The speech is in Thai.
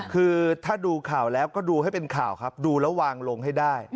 คือถ้าดูข่าวแล้วก็ดูให้เป็นข่าวครับดูแล้ววางลงให้ได้